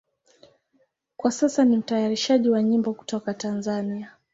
Kwa sasa ni mtayarishaji wa nyimbo kutoka Tanzania.